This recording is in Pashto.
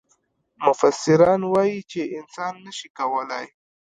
مفسران وايي چې انسان نه شي کولای.